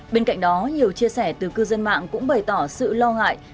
bên cạnh đó nhiều chia sẻ từ cư dân mạng cũng bày tỏ sự lo ngại